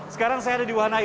sekarang saya ada di wahana